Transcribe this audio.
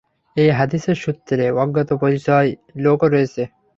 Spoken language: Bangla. এই হাদীসের সূত্রে অজ্ঞাত পরিচয় লোকও রয়েছে।